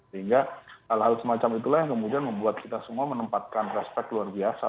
sehingga hal hal semacam itulah yang kemudian membuat kita semua menempatkan respect luar biasa